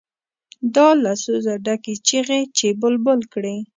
دا له سوزه ډکې چیغې چې بلبل کړي.